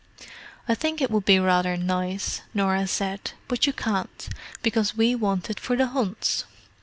"I think it would be rather nice," Norah said. "But you can't, because we want it for the Hunts.